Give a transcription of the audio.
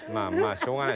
しょうがない。